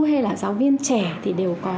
hay là giáo viên trẻ thì đều có